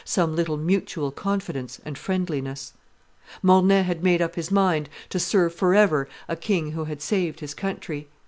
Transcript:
some little mutual confidence and friendliness. Mornay had made up his mind to serve forever a king who had saved his country.